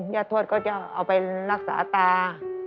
ทวดก็จะเอาไปรักษาตา